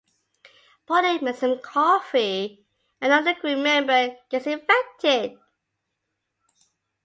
Polly makes some coffee and another crew member gets infected.